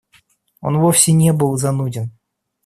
Он вовсе не был зануден.